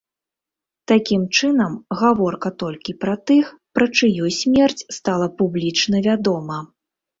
Такім чынам, гаворка толькі пра тых, пра чыю смерць стала публічна вядома.